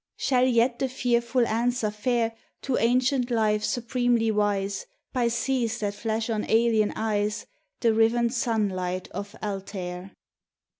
Shall yet the fearful answer fare To ancient life supremely wise, By seas that flash on alien eyes The riven sunlight of Altair?